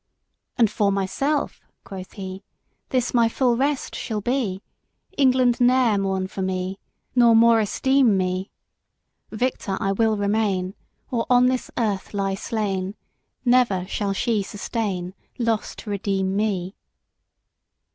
III. And for myself (quoth he) This my full rest shall be, England ne'er mourn for me, Nor more esteem me. Victor I will remain, Or on this earth lie slain, Never shall she sustain Loss to redeem me.